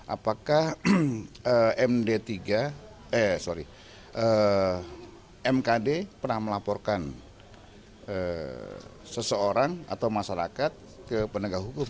apakah md tiga eh sorry mkd pernah melaporkan seseorang atau masyarakat ke penegak hukum